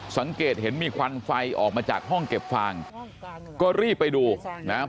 สังเกตเห็นมีควันไฟออกมาจากห้องเก็บฟางก็รีบไปดูนะครับ